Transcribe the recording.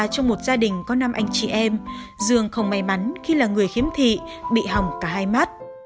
trường có năm anh chị em dương không may mắn khi là người khiếm thị bị hỏng cả hai mắt